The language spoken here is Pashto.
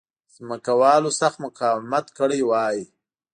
ځمکوالو سخت مقاومت کړی وای.